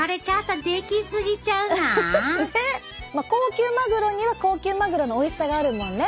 高級マグロには高級マグロのおいしさがあるもんね。